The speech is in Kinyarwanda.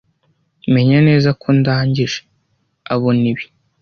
Menya neza ko Ndagije abona ibi.